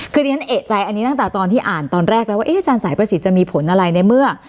คือที่ฉันเอกใจอันนี้ตั้งแต่ตอนที่อ่านตอนแรกแล้วว่าอาจารย์สายประสิทธิ์จะมีผลอะไรในเมื่อ